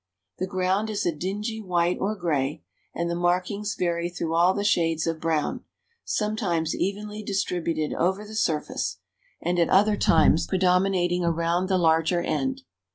The ground is a dingy white or gray, and the markings vary through all the shades of brown, sometimes evenly distributed over the surface, and at other times predominating around the larger end.